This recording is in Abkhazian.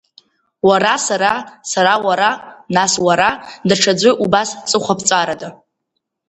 Уара сара, сара уара, нас уара, даҽаӡәы убас ҵыхәаԥҵәарада.